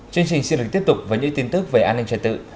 chương trình siêu lực tiếp tục với những tin tức về an ninh trời tự